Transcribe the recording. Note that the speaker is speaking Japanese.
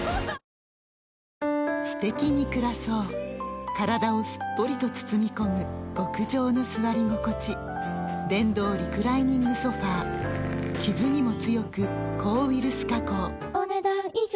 すてきに暮らそう体をすっぽりと包み込む極上の座り心地電動リクライニングソファ傷にも強く抗ウイルス加工お、ねだん以上。